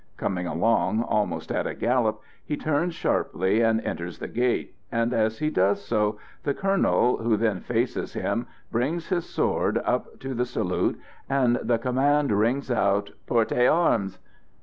Coming along, almost at a gallop, he turns sharply and enters the gate; and as he does so, the Colonel, who then faces him, brings his sword up to the salute, and the command rings out "Portez armes!"